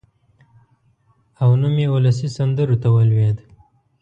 او نوم یې اولسي سندرو ته ولوېد.